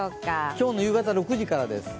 今日の夕方６時からです。